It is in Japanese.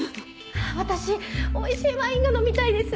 私おいしいワインが飲みたいです。